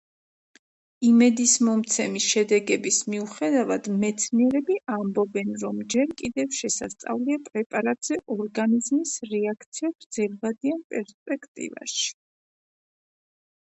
იმედისმომცემი შედეგების მიუხედავად, მეცნიერები ამბობენ, რომ ჯერ კიდევ შესასწავლია პრეპარატზე ორგანიზმის რეაქცია გრძელვადიან პერსპექტივაში.